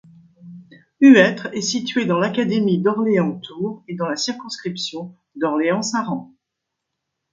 Huêtre est situé dans l'académie d'Orléans-Tours et dans la circonscription d'Orléans-Saran.